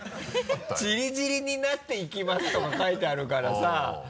「散り散りになっていきます」とか書いてあるからさ。